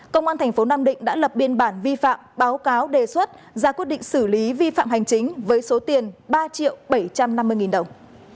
công an thành phố nam định đã lập biên bản vi phạm báo cáo đề xuất ra quyết định xử lý vi phạm hành chính với số tiền ba triệu bảy trăm năm mươi nghìn đồng